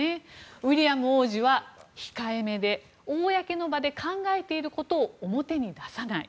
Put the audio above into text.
ウィリアム王子は控えめで公の場で考えていることを表に出さない。